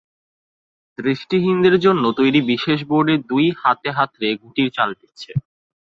দৃষ্টিহীনদের জন্য তৈরি বিশেষ বোর্ডে দুই হাতে হাতড়ে গুটির চাল দিচ্ছে।